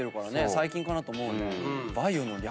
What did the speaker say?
最近かなと思うよね。